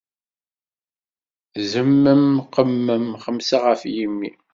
Zemmem qemmem xemsa ɣef yimi!